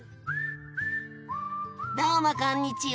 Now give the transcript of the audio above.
どうもこんにちは。